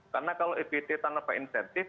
karena kalau epd tanpa insentif